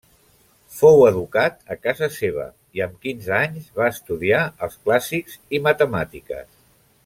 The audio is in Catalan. Fou educat a casa seva, i amb quinze anys va estudiar els clàssics i matemàtiques.